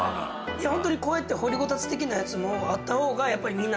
ホントに掘りごたつ的なやつもあった方がやっぱりみんな。